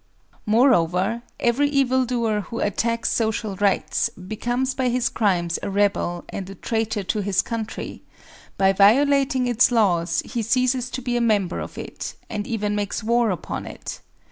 Moreover, every evil doer who attacks social rights becomes by his crimes a rebel and a traitor to his country; by violating its laws he ceases to be a member of it, and even makes war upon it.